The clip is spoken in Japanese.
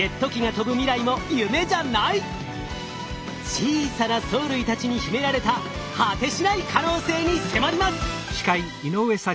小さな藻類たちに秘められた果てしない可能性に迫ります。